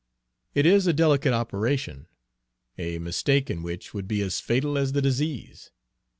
It is a delicate operation, a mistake in which would be as fatal as the disease.